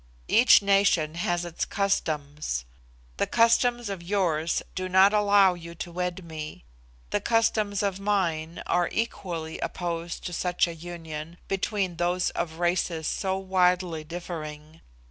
Each nation has its customs. The customs of yours do not allow you to wed me; the customs of mine are equally opposed to such a union between those of races so widely differing.